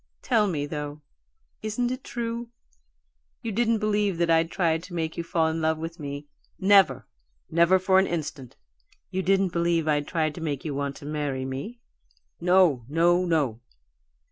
Tell me, though, isn't it true? You didn't believe that I'd tried to make you fall in love with me " "Never! Never for an instant!" "You didn't believe I'd tried to make you want to marry me " "No, no, no!"